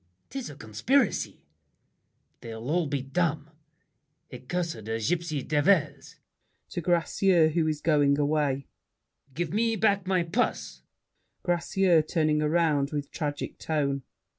'Tis a conspiracy. They'll all be dumb; Accursed gypsy devils! [To Gracieux who is going away. Give me back My purse! GRACIEUX (turning around, with tragic tone).